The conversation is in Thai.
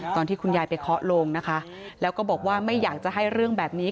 ตอนที่คุณยายไปเคาะลงนะคะแล้วก็บอกว่าไม่อยากจะให้เรื่องแบบนี้